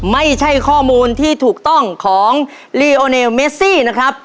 ไม่ใช่ข้อมูลที่ถูกต้องของลีโอเนลเมซี่นะครับ